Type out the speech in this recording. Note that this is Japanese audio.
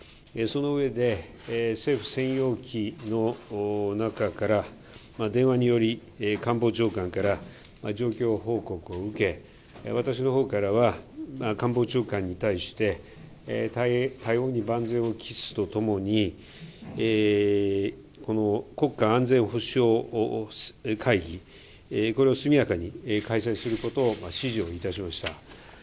その上で、政府専用機の中から電話により、官房長官から状況報告を受け、私のほうからは、官房長官に対して、対応に万全を期すとともに、この国家安全保障会議、これを速やかに開催することを指示をいたしました。